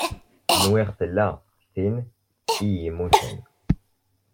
Nwiɣ tella tin i yemmuten.